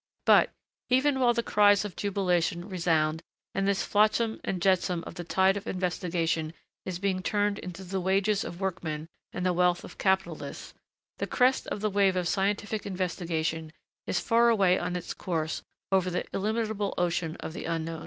But, even while the cries of jubilation resound and this floatsam and jetsam of the tide of investigation is being turned into the wages of workmen and the wealth of capitalists, the crest of the wave of scientific investigation is far away on its course over the illimitable ocean of the unknown.